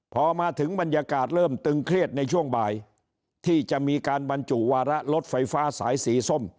พอมาถึงบรรยากาศเริ่มตึงเครียดในช่วงบ่ายที่จะมีการบรรจุวาระรถไฟฟ้าสายสีส้ม